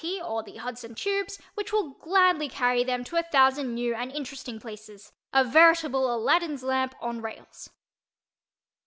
or the Hudson Tubes which will gladly carry them to a thousand new and interesting places—a veritable Aladdin's lamp on rails.